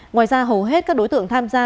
ngoài ra hầu hết các đối tượng tham gia